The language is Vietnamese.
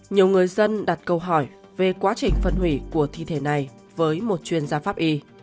nhiều người dân đặt câu hỏi về quá trình phân hủy của thi thể này với một chuyên gia pháp y